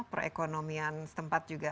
perekonomian tempat juga